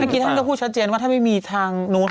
เมื่อกี้ท่านก็พูดชัดเจนว่าถ้าไม่มีทางนู้น